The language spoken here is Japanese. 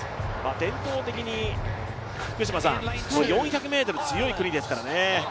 伝統的に４００ｍが強い国ですからね。